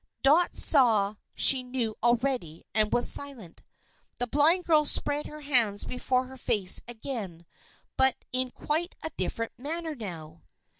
Dot saw she knew already, and was silent. The blind girl spread her hands before her face again, but in quite a different manner now.